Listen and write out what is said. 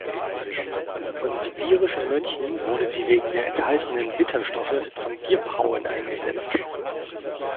Von sibirischen Mönchen wurde sie wegen der enthaltenen Bitterstoffe zum Bierbrauen eingesetzt.